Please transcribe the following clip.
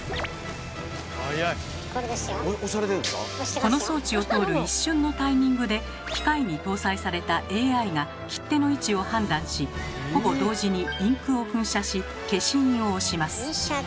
この装置を通る一瞬のタイミングで機械に搭載されたＡＩが切手の位置を判断しほぼ同時にインクを噴射し消印を押します。